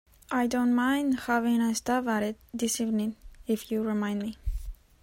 I don't mind having a stab at it this evening if you remind me.